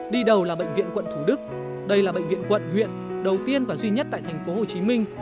đi đầu là bệnh viện quận thủ đức đây là bệnh viện quận huyện đầu tiên và duy nhất tại thành phố hồ chí minh